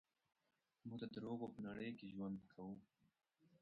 موږ د دروغو په نړۍ کې ژوند کوو.